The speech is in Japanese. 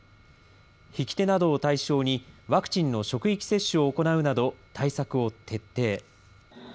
引き手などを対象にワクチンの職域接種を行うなど、対策を徹底。